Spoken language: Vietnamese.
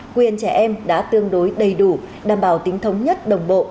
quyền trẻ em đã tương đối đầy đủ đảm bảo tính thống nhất đồng bộ